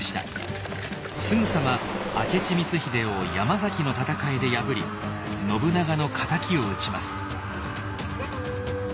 すぐさま明智光秀を山崎の戦いで破り信長の敵を討ちます。